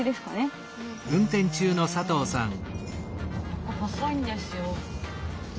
ここ細いんですよ。